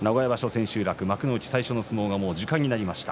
幕内最初の相撲は時間になりました。